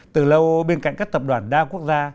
từ lâu bên cạnh các tập đoàn đa quốc gia